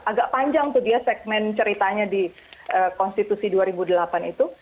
agak panjang tuh dia segmen ceritanya di konstitusi dua ribu delapan itu